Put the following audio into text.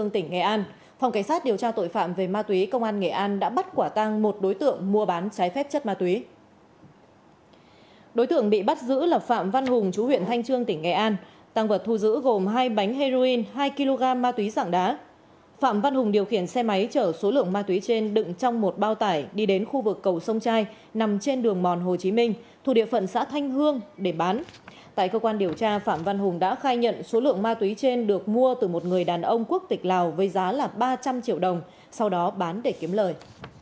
tại cơ quan điều tra phạm văn hùng đã khai nhận số lượng ma túy trên được mua từ một người đàn ông quốc tịch lào với giá là ba trăm linh triệu đồng sau đó bán để kiếm lời